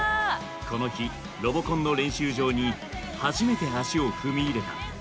この日ロボコンの練習場に初めて足を踏み入れた。